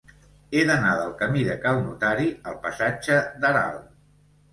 He d'anar del camí de Cal Notari al passatge d'Aral.